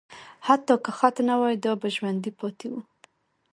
حتی که خط نه وای، دا به ژوندي پاتې وو.